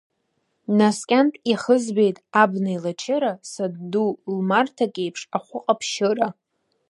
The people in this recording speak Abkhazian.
Наскьантә иахызбеит абна еилачыра, санду лмарҭақ еиԥш, ахәы ҟаԥшьыра.